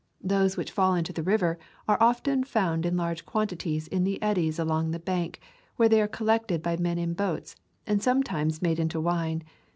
Those which fall into the river are often found in large quantities in the eddies along the bank, where they are collected by men in boats and sometimes made into wine.